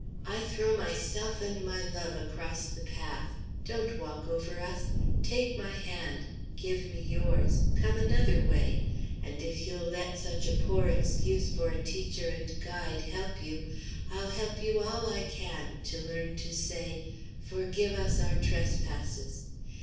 I throw myself and my love across the path. Don't walk over us. Take my hand; give me yours; come another way; and if you'll let such a poor excuse for a teacher and guide help you, I'll help you all I can, to learn to say 'forgive us our trespasses.'